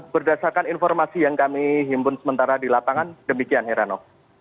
berdasarkan informasi yang kami himpun sementara di lapangan demikian herano